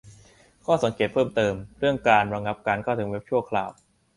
ข้อสังเกตเพิ่มเติม เรื่องการ "ระงับการเข้าถึงเว็บชั่วคราว"